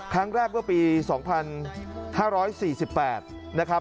ครั้งแรกก็ปี๒๕๔๘นะครับ